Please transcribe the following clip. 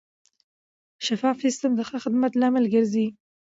شفاف سیستم د ښه خدمت لامل ګرځي.